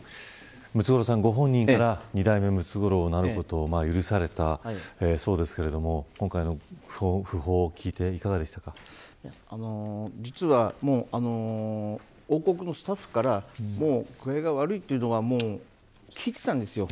ムツゴロウさんご本人から２代目ムツゴロウを名乗ることを許されたそうですけれども今回の訃報を聞いて実は王国のスタッフからもう具合が悪いというのは聞いていたんですよ。